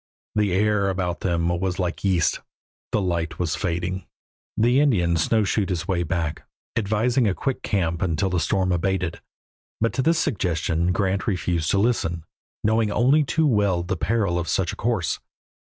The air about them was like yeast; the light was fading. The Indian snowshoed his way back, advising a quick camp until the storm abated, but to this suggestion Grant refused to listen, knowing only too well the peril of such a course.